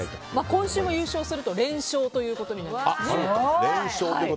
今週も優勝すると連勝ということになりますね。